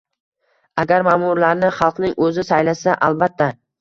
Agar ma`murlarni xalqning o'zi saylasa albatta